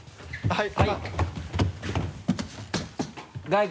はい。